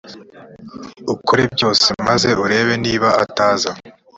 ukore byose maze urebe niba ataza